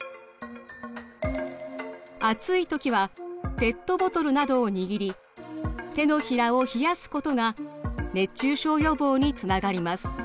暑い時はペットボトルなどを握り手のひらを冷やすことが熱中症予防につながります。